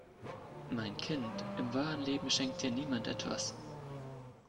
Mein Kind, im wahren Leben schenkt dir niemand etwas.